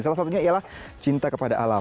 salah satunya ialah cinta kepada alam